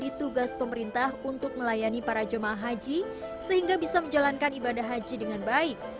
menjadi tugas pemerintah untuk melayani para jemaah haji sehingga bisa menjalankan ibadah haji dengan baik